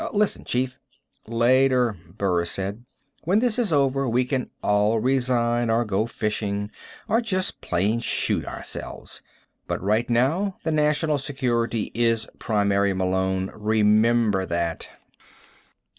Listen, chief " "Later," Burris said. "When this is over we can all resign, or go fishing, or just plain shoot ourselves. But right now the national security is primary, Malone. Remember that."